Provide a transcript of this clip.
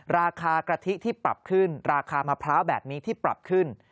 ราคากะทิที่ปรับขึ้นราคามะพร้าวแบบนี้ที่ปรับขึ้น